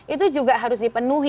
itu juga harus dipenuhi